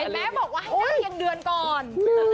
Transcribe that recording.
ให้แม่ก่อนก็บอกว่ายังเดือนก่อน